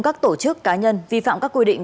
các tổ chức cá nhân vi phạm các quy định